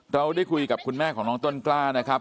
เราได้คุยกับคุณแม่ของน้องต้นกล้านะครับ